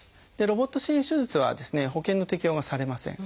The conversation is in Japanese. ロボット支援手術は保険の適用がされません。